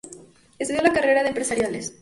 Estudió la carrera de Empresariales.